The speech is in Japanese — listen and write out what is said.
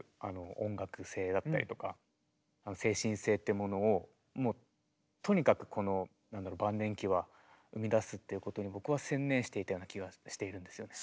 いうものをもうとにかくこの晩年期は生み出すっていうことに僕は専念していたような気がしているんですよね。